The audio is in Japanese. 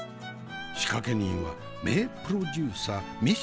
仕掛け人は名プロデューサーミスター昆布。